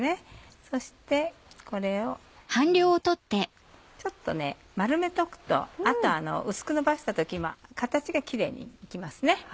そしてこれをちょっと丸めておくと薄くのばした時に形がきれいに行きます。